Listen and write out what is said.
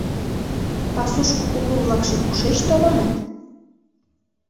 Пасушко куку-влакше кушеч толыныт?